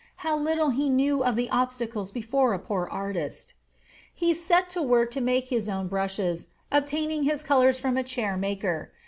How little he knew of the obstacles before a poor artist! He set to work to make his own brushes, obtaining his colors from a chair maker.